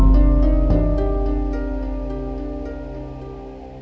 tuan ts whale terbalik mengusir pulus pukul px dua puluh tujuh ini secara sebumenya